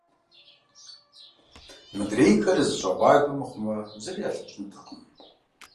Мыдрейхэри зэщӀэгъуагэ мыхъумэ, зыри ялъэкӀынутэкъым.